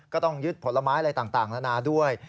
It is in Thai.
ก็ต้องยึดผลไม้อะไรต่างนานาด้วย